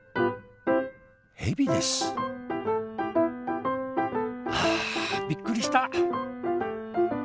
ヘビですはあびっくりした。